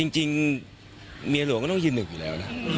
จริงเมียหลวงก็ต้องยืนหนึ่งอยู่แล้วนะ